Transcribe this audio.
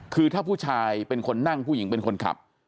คือถ้าผู้ชายเป็นคนนั่งผู้หญิงเป็นคนขับ